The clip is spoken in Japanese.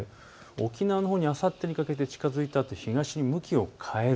沖縄のほうにあさってにかけて近づいたあと東へ向きを変える。